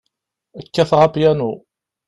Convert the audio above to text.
Kkateɣ apyanu.